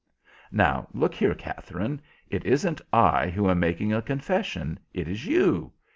"Now, look here, Katherine, it isn't I who am making a confession, it is you.